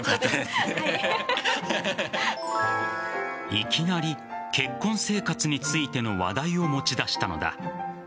いきなり、結婚生活についての話題を持ち出したのだ。